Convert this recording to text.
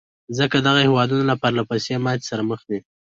ځکه دغه هېوادونه له پرلهپسې ماتې سره مخ دي.